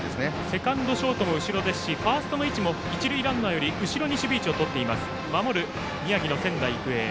セカンドとショートが後ろですしファーストも一塁ランナーより後ろに守備位置をとっています守る宮城の仙台育英。